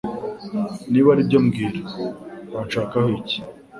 Niba aribyo mbwira uranshakaho iki